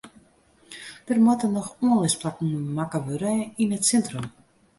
Der moatte noch oanlisplakken makke wurde yn it sintrum.